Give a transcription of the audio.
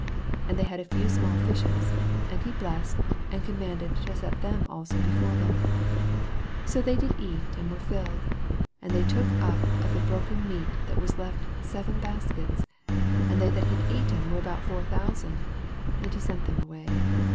7 And they had a few small fishes: and he blessed, and commanded ta set them also before them, 8 So they did eat, and were filled : and they took up of the broken meat that was left seven baskets. 9 And they that had eaten were about four thousand : and he sent them away.